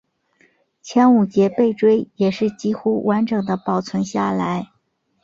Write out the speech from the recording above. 前五节背椎也是几乎完整地保存下来。